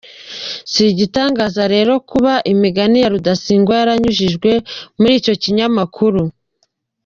Si igitangaza rero kuba imigani ya Rudasingwa yaranyujijwe muri icyo kinyamakuru.